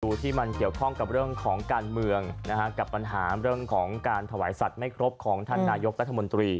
ที่มันเกี่ยวข้องกับเรื่องของการเมืองนะฮะกับปัญหาเรื่องของการถวายสัตว์ไม่ครบของท่านนายกรัฐมนตรี